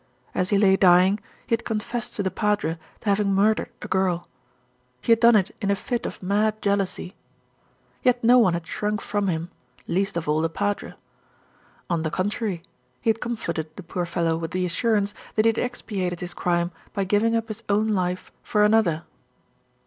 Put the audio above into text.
As he lay dying, he had confessed to the padre to having mur dered a girl. He had done it in a fit of mad jealousy; 138 THE RETURN OF ALFRED yet no one had shrunk from him, least of all the padre. On the contrary he had comforted the poor fellow with the assurance that he had expiated his crime by giving up his own life for another.